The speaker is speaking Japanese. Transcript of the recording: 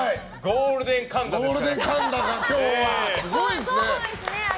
ゴールデン神田ですね。